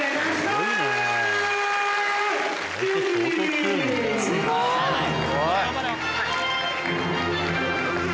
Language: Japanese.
すごい。